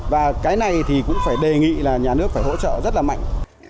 và cái này thì cũng phải đề nghị là nhà nước phải hỗ trợ rất là mạnh